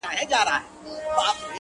دا زړه بېړی به خامخا ډوبېږي-